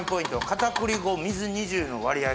片栗５水２０の割合